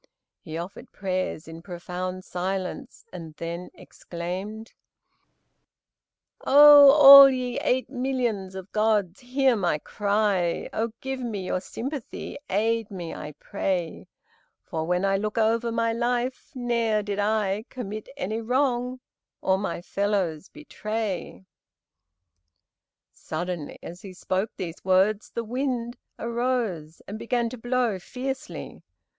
He offered prayers in profound silence, and then exclaimed, "Oh, all ye eight millions of gods, hear my cry, Oh, give me your sympathy, aid me, I pray, For when I look over my life, ne'er did I Commit any wrong, or my fellows betray." Suddenly, as he spoke these words, the wind arose and began to blow fiercely.